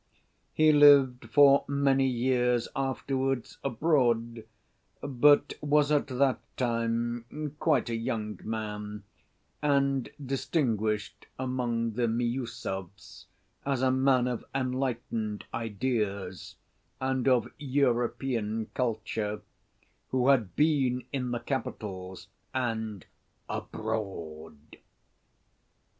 He lived for many years afterwards abroad, but was at that time quite a young man, and distinguished among the Miüsovs as a man of enlightened ideas and of European culture, who had been in the capitals and abroad.